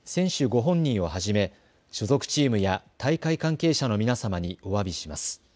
ご本人をはじめ所属チームや大会関係者の皆様におわびします。